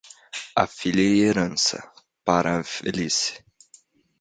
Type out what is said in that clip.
A filha e a herança, para a velhice.